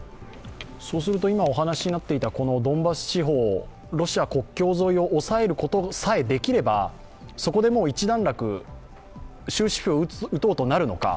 そうすると、今お話になっていたドンバス地方、ロシア国境沿いを押さえることさえできれば、そこでもう一段落、終止符を打とうとなるのか